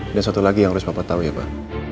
dan satu lagi yang harus papa tau ya pak